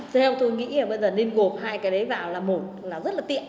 theo tôi nghĩ là bây giờ nên gộp hai cái đấy vào là một là rất là tiện